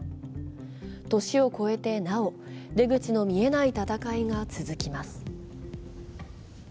年を越えてなお、出口の見えない戦いが続きます。